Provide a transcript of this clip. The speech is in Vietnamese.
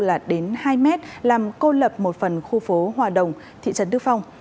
là đến hai mét làm cô lập một phần khu phố hòa đồng thị trấn đức phong